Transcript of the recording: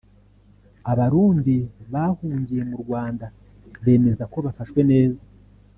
Abarundi bahungiye mu Rwanda bemeza ko bafashwe neza